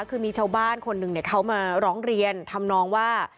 คือมีชาวบ้านคนหนึ่งเขามาร้องเรียนทำนองว่า